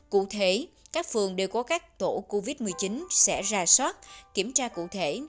cụ thể các phường đều có các tổ covid một mươi chín sẽ ra soát kiểm tra cụ thể